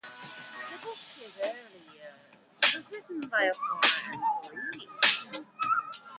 A book about its early years was written by a former employee.